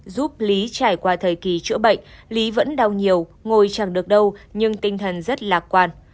giúp lý trải qua thời kỳ chữa bệnh lý vẫn đau nhiều ngôi chẳng được đâu nhưng tinh thần rất lạc quan